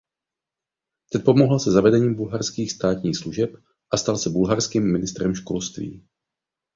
Ten pomohl se zavedením bulharských státních služeb a stal se bulharským ministrem školství.